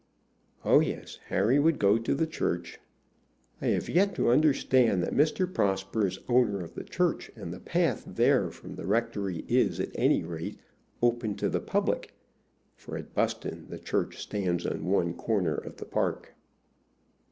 Oh yes, Harry would go to the church. "I have yet to understand that Mr. Prosper is owner of the church, and the path there from the rectory is, at any rate, open to the public;" for at Buston the church stands on one corner of the park.